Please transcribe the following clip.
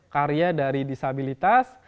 karya dari disabilitas